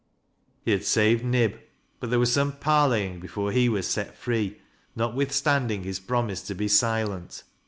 He had saved Nib, bat there was some parleying before he was set free, notwithstanding his promise to be silent.